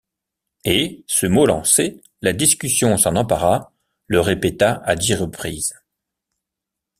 Et, ce mot lancé, la discussion s’en empara, le répéta à dix reprises.